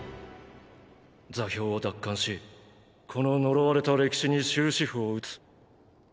座標を奪還しこの呪われた歴史に終止符を打つ。